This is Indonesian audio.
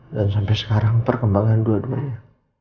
dan sampai sekarang perkembangan dua duanya